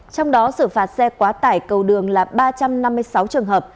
trong đó xử phạt xe quá tải cầu đường là ba trăm năm mươi sáu trường hợp